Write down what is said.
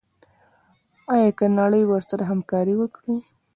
آیا که نړۍ ورسره همکاري وکړي؟